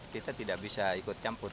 kita tidak bisa ikut campur